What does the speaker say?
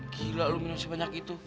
gila lo minum sebanyak itu